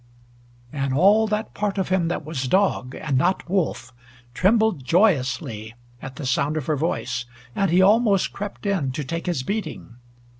and all that part of him that was dog, and not wolf, trembled joyously at the sound of her voice, and he almost crept in to take his beating.